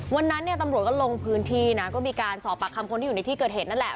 วันนั้นเนี่ยตำรวจก็ลงพื้นที่นะก็มีการสอบปากคำคนที่อยู่ในที่เกิดเหตุนั่นแหละ